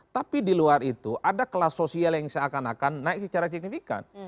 tapi di luar itu ada kelas sosial yang seakan akan naik secara signifikan